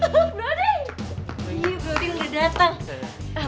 broding udah datang